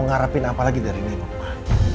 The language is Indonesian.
mau ngarepin apa lagi dari nino ma